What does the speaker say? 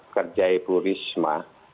kerja ibu risma